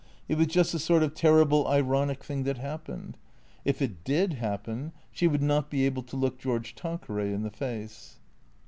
It was just the sort of terrible, ironic thing that happened. If it did happen she would not be able to look George Tanqueray in the face.